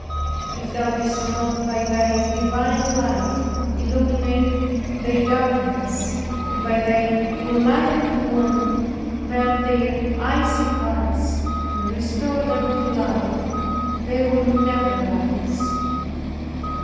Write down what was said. If Thou didst not by thy divine light, illuminate their darkness, and by thy enlivening warmth, melt their icy hearts, and restore them to life, they would never rise.